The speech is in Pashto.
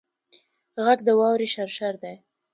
غږ د واورې شرشر دی